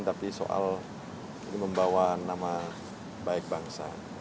tapi soal ini membawa nama baik bangsa